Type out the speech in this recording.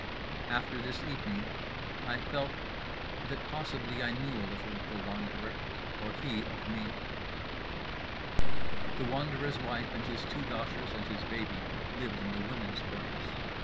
After this evening I felt that possibly I knew a little of The Wanderer, or he of me. The Wanderer's wife and his two daughters and his baby lived in the women's quarters.